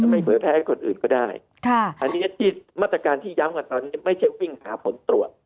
ไม่เผยแพร่ให้คนอื่นก็ได้อันนี้ที่มาตรการที่ย้ำกันตอนนี้ไม่ใช่วิ่งหาผลตรวจ